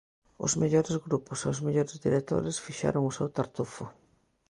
Os mellores grupos e os mellores directores fixeron o seu Tartufo.